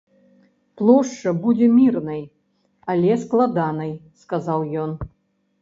Плошча будзе мірнай, але складанай, сказаў ён.